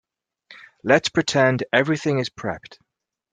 Let's pretend everything is prepped.